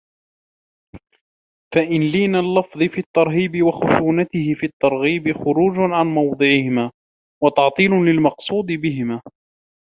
فَإِنَّ لِينَ اللَّفْظِ فِي التَّرْهِيبِ وَخُشُونَتُهُ فِي التَّرْغِيبِ خُرُوجٌ عَنْ مَوْضِعِهِمَا وَتَعْطِيلٌ لِلْمَقْصُودِ بِهِمَا